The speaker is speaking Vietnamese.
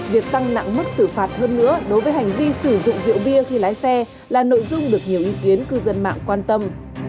việc tăng nặng mức xử phạt hơn nữa đối với hành vi sử dụng rượu bia khi lái xe là nội dung được nhiều ý kiến cư dân mạng quan tâm